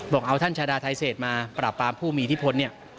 บอกเอาท่านชาดาไทเศษมาปราบปรามผู้มีอิทธิพลเนี่ย